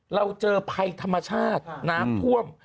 เราเจอภัยธรรมชาติน้ำท่วม